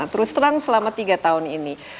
terus terang selama tiga tahun ini